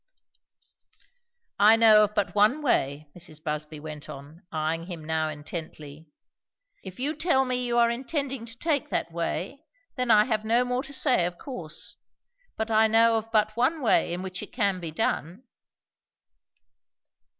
"I know of but one way," Mrs. Busby went on, eyeing him now intently. "If you tell me you are intending to take that way, then I have no more to say, of course. But I know of but one way in which it can be done."